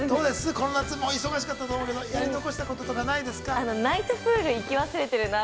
この夏、お忙しかったと思うんですけれども、やり残したこととかないですか。